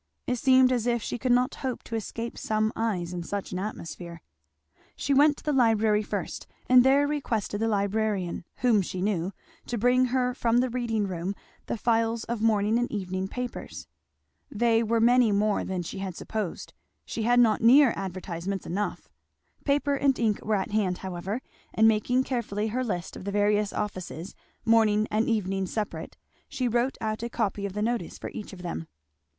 It seemed as if she could not hope to escape some eyes in such an atmosphere. She went to the library first, and there requested the librarian, whom she knew, to bring her from the reading room the files of morning and evening papers. They were many more than she had supposed; she had not near advertisements enough. Paper and ink were at hand however, and making carefully her list of the various offices, morning and evening separate, she wrote out a copy of the notice for each of them.